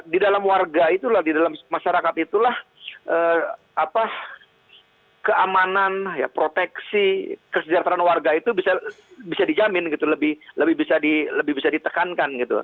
di dalam warga itulah di dalam masyarakat itulah keamanan proteksi kesejahteraan warga itu bisa dijamin gitu lebih bisa ditekankan gitu